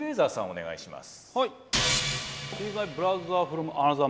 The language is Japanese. お願いします。